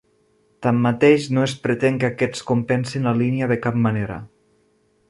Tanmateix, no es pretén que aquests compensin la línia de cap manera.